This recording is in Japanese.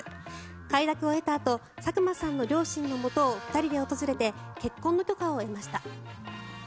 快諾を得たあと佐久間さんの両親のもとを２人で訪れて結婚の許可を得ました。